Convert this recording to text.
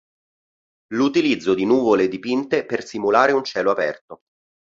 L'utilizzo di nuvole dipinte per simulare un cielo aperto.